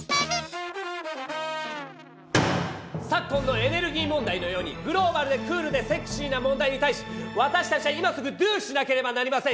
昨今のエネルギー問題のようにグローバルでクールでセクシーな問題に対し私たちは今すぐドゥしなければなりません！